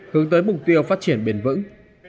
hướng tới mục tiêu phát triển bền vững